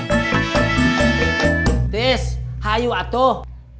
tis hayu atuh